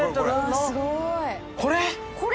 これ？